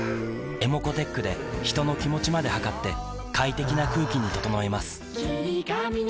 ｅｍｏｃｏーｔｅｃｈで人の気持ちまで測って快適な空気に整えます